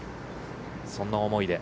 そんな思いで。